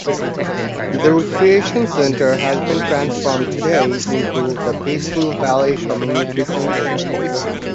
The recreation center has been transformed today into the Peaceful Valley Community Center.